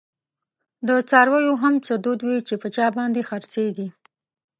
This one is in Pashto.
دڅارویو هم څه دود وی، چی په چا باندی خرڅیږی